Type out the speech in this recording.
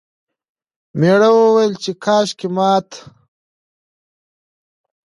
میړه وویل چې کاشکې مات...